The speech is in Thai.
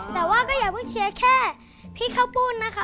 แต่ว่าก็อย่าเพิ่งเชียร์แค่พี่ข้าวปุ้นนะคะ